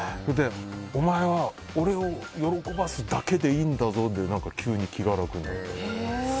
お前は俺を喜ばすだけでいいんだぞで急に気が楽になって。